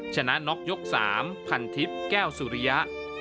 ชนะน็อกยก๓พันธิปแก้วสุริยะ